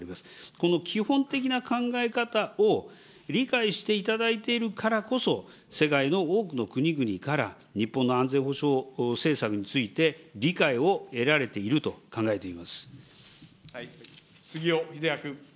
この基本的な考え方を理解していただいているからこそ、世界の多くの国々から、日本の安全保障政策について理解を得られていると杉尾秀哉君。